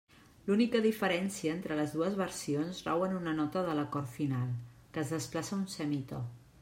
L'única diferència entre les dues versions rau en una nota de l'acord final, que es desplaça un semitò.